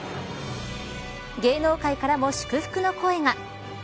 芸能界からも祝福の声が。